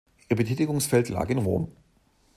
Ihr Betätigungsfeld lag in Rom.